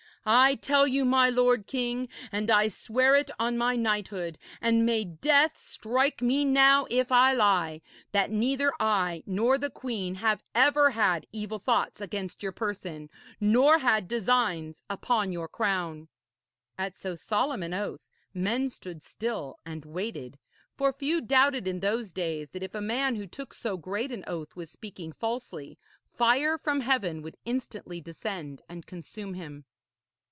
I tell you, my lord king, and I swear it on my knighthood, and may death strike me now if I lie, that neither I nor the queen have ever had evil thoughts against your person, nor had designs upon your crown.' At so solemn an oath men stood still and waited, for few doubted in those days that if a man who took so great an oath was speaking falsely, fire from heaven would instantly descend and consume him.